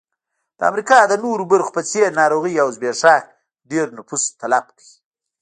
د امریکا د نورو برخو په څېر ناروغیو او زبېښاک ډېر نفوس تلف کړ.